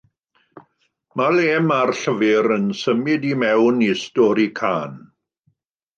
Dyma le mae'r llyfr yn symud i mewn i stori Khan.